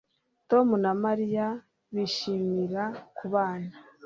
Tom na Mariya bishimira kubana